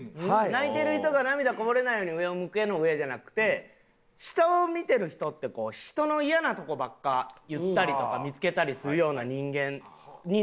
泣いてる人が涙こぼれないように上を向けの上じゃなくて下を見てる人って人の嫌なとこばっか言ったりとか見つけたりするような人間になりたくないじゃない。